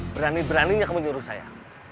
berani beraninya kamu nyuruh saya